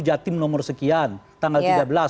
jatim nomor sekian tanggal tiga belas